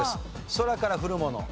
空から降るもの。